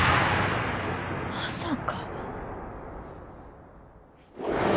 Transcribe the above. まさか。